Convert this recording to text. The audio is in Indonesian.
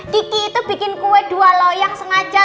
diki itu bikin kue dua loyang sengaja